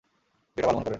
যেটা ভালো মনে করেন।